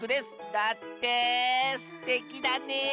すてきだね！